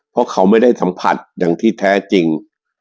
เพราะเขาไม่ได้สัมผัสอย่างที่แท้จริง